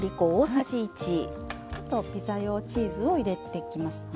あとピザ用チーズを入れていきますね。